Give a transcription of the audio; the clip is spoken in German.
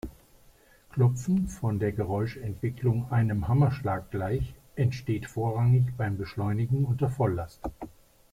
Klopfen, von der Geräuschentwicklung einem Hammerschlag gleich, entsteht vorrangig beim Beschleunigen unter Volllast.